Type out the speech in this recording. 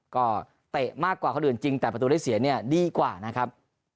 ก็เตะมากกว่าคนอื่นจริงแต่ประตูได้เสียเนี่ยดีกว่านะครับ